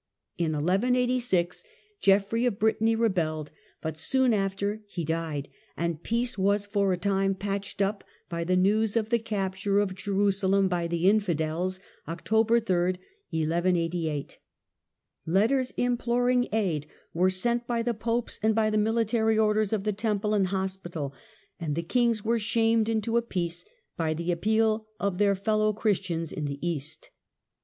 In 11 86, Geoffrey of Brittany rebelled, but soon after he died; and peace was for a time patched up by the news of the cap ture of Jerusalem by the infidels, October 3, 1 188. Letters imploring aid were sent by the popes and by the Mili tary Orders of the Temple and Hospital; and the kings were shamed into a peace by the appeal of their fellow Christians in the East.